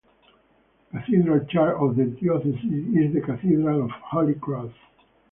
The cathedral church of the diocese is the Cathedral of Holy Cross.